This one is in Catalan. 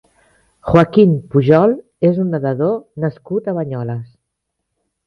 Joaquín Pujol és un nedador nascut a Banyoles.